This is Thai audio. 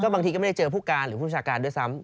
บางทีก็ไม่ได้เจอผู้การหรือผู้ชาการด้วยซ้ำ